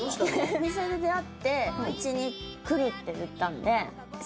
「お店で出会ってうちに来るって言ったんで」